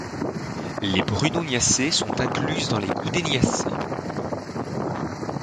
Les Brunoniacées sont incluses dans les Goodéniacées.